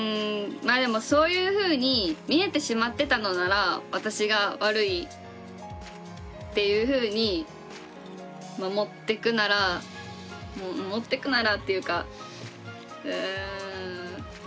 まあでもそういうふうに見えてしまってたのなら私が悪いっていうふうに持ってくなら持ってくならっていうかうん。